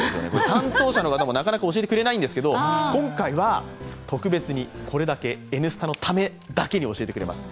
担当者の方もなかなか教えてくれないんですが、今回は特別に、これだけ「Ｎスタ」のためだけに教えてくれます。